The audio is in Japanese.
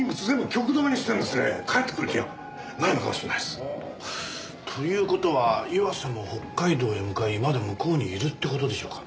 帰ってくる気がないのかもしれないです。という事は岩瀬も北海道へ向かいまだ向こうにいるって事でしょうか？